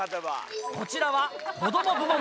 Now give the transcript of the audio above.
こちらは子ども部門です。